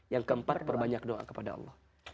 yang keempat perbanyak doa kepada allah